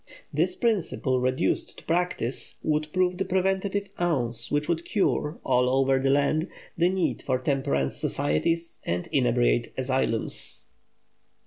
_ This principle reduced to practice would prove the preventive ounce which would cure, all over the land, the need for Temperance Societies and Inebriate Asylums.